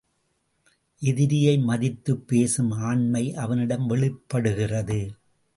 எதிரியை மதித்துப் பேசும் ஆண்மை அவனிடம் வெளிப்படுகிறது.